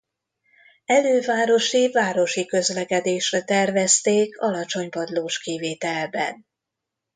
Elővárosi-városi közlekedésre tervezték alacsony padlós kivitelben.